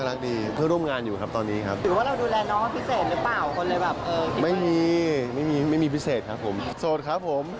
ไม่คิดจะหาใครหรอออกมันก็นานแล้วนะ